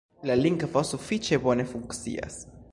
La lingvo sufiĉe bone funkcias.